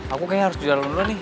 aku kayaknya harus jual dulu nih